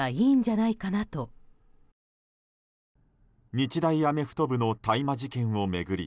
日大アメフト部の大麻事件を巡り